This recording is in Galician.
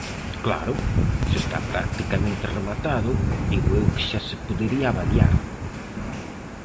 Claro, se está practicamente rematado, digo eu que xa se podería avaliar.